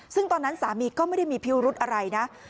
ซึ่งตอนนั้นสามีก็ไม่ได้มีพิวรุธอะไรนะ